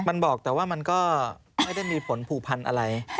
มันบอกแต่ว่ามันก็ไม่ได้มีผลผูกพันธุ์อะไร